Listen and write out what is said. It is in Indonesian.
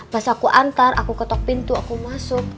pas aku antar aku ketok pintu aku masuk